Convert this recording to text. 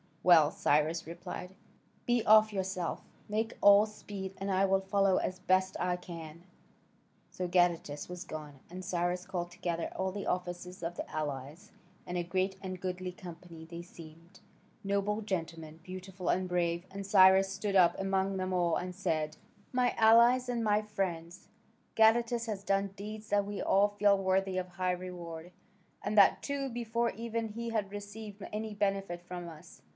"Well," Cyrus replied, "be off yourself: make all speed, and I will follow as best I can." So Gadatas was gone, and Cyrus called together all the officers of the allies, and a great and goodly company they seemed, noble gentlemen, beautiful and brave. And Cyrus stood up among them all and said: "My allies and my friends, Gadatas has done deeds that we all feel worthy of high reward, and that too before ever he had received any benefit from us.